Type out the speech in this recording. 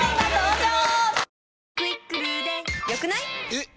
えっ！